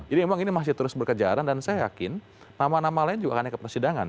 jadi memang ini masih terus berkejaran dan saya yakin nama nama lain juga akan naik ke persidangan